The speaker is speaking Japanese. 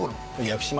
屋久島。